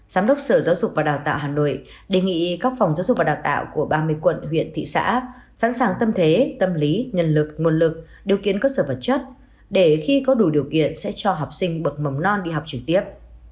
giám đốc sở giáo dục và đào tạo hà nội đề nghị các phòng giáo dục và đào tạo của ba mươi quận huyện thị xã sẵn sàng tâm thế tâm lý nhân lực nguồn lực điều kiện cơ sở vật chất để khi có đủ điều kiện sẽ cho học sinh bậc mầm non đi học trực tiếp